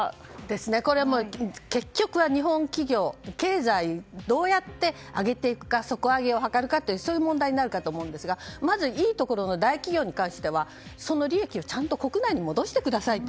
これは結局は日本企業経済、どうやって上げていくか底上げを図るかというそういう問題になると思いますがまず、大企業に関してはその利益をちゃんと国内に戻してくださいと。